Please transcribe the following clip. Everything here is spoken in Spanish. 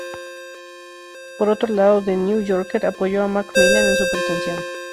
Por otro lado, de The New Yorker, apoyó a MacMillan en su pretensión.